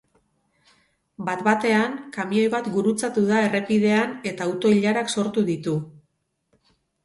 Bat-batean, kamioi bat gurutzatu da errepidean eta auto-ilarak sortu ditu.